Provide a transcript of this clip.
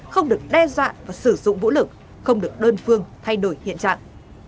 không được đe dọa và sử dụng vũ lực không được đơn phương thay đổi hiện trạng